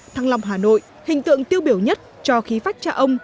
thăng long hà nội hình tượng tiêu biểu nhất cho khí phách cha ông